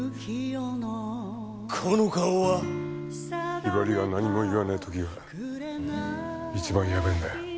雲雀は何も言わねえ時が一番ヤベェんだよ。